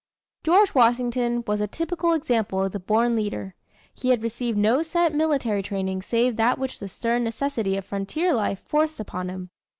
George Washington was a typical example of the born leader. He had received no set military training save that which the stern necessity of frontier life forced upon him.